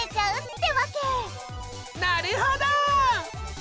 なるほど！